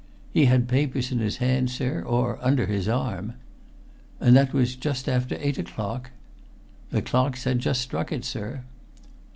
"He had papers in his hand, sir, or under his arm." "And that was just after eight o'clock?" "The clocks had just struck it, sir."